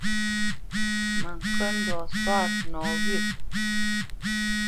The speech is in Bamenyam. Mə ŋkə̄ ndɔ̌ sɔ̌ nɔwyə̂.